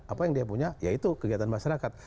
apa yang dia punya yaitu kegiatan masyarakat